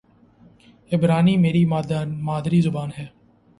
عبرانی میری مادری زبان ہے